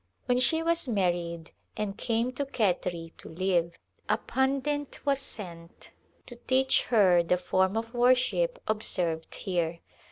When she was married and came to Khetri to live a Pundit was sent to teach her the form of worship observed here.